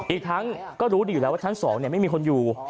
อีกทั้งก็รู้ดีอยู่แล้วว่าชั้น๒ไม่มีคนอยู่